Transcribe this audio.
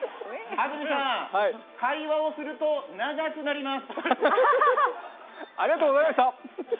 安住さん、会話をすると長くなります。